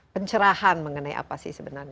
pencerahan mengenai apa sih sebenarnya